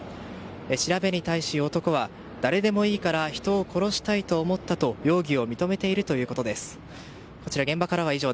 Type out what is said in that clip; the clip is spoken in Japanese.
調べに対し、男は誰でもいいから人を殺したいと思ったと容疑を認めているということです。